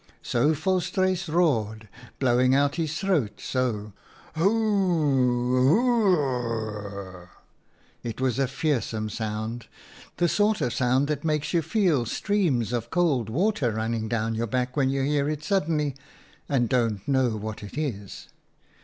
" So Volstruis roared, blowing out his throat, so, ' Hoo hoo hoor r r r !' It was a WHO WAS KING? 31 fearsome sound — the sort of sound that makes you feel streams of cold water run ning down your back when you hear it suddenly and don't know what it is.